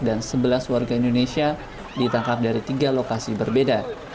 dan sebelas warga indonesia ditangkap dari tiga lokasi berbeda